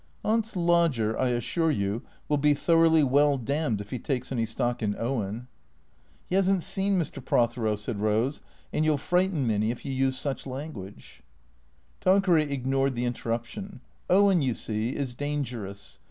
" Aunt's lodger, I assure you, will be thoroughly well damned if he takes any stock in Owen." THE CEEA TORS 431 " 'E 'as n't seen Mr. Prothero," said Rose, " and you '11 frighten Minny if you use such language." Tanqueray ignored the interruption. " Owen, you see, is dangerous.